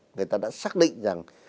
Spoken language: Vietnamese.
người ta đã xác định rằng